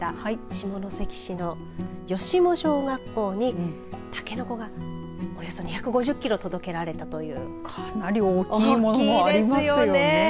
下関市の吉母小学校にたけのこがおよそ２５０キロ届けられたというかなり大きいものありますよね。